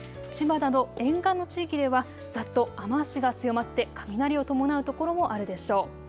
千葉など沿岸の地域ではざっと雨足が強まって雷を伴う所もあるでしょう。